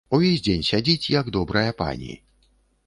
Увесь дзень сядзіць, як добрая пані.